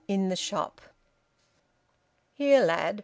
IN THE SHOP. "Here, lad!"